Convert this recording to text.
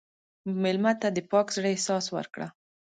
مېلمه ته د پاک زړه احساس ورکړه.